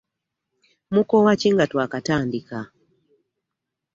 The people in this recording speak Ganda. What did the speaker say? Mukoowa ki nga twakatandika?